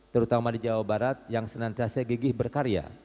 terutama di jawa barat yang senantiasa gigih berkarya